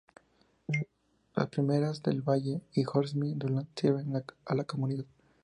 Las primarias de Del Valle y Hornsby-Dunlap sirven a la comunidad.